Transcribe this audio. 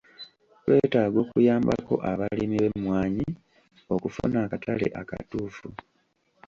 Twetaaga okuyambako abalimi b'emmwanyi okufuna akatale akatuufu.